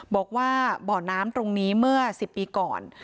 บอกว่าบ่อน้ำตรงนี้เมื่อ๑๐ปีก่อน